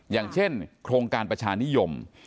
อย่างเช่นโครงการประชานิยม